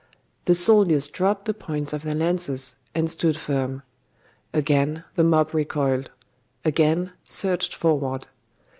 The soldiers dropped the points of their lances, and stood firm. Again the mob recoiled; again surged forward.